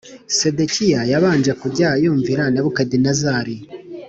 Sedekiya yabanje kujya yumvira Nebukadinezari